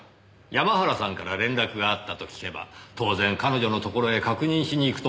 山原さんから連絡があったと聞けば当然彼女のところへ確認しに行くと思いましてね。